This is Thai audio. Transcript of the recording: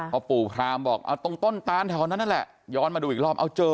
พอปู่พรามบอกตรงต้นตลอดนแต่ละย้อนมาดูอีกรอบก็เจอ